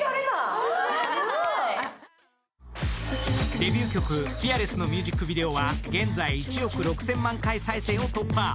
デビュー曲「ＦＥＡＲＬＥＳＳ」のミュージックビデオは現在１億６０００万回再生を突破。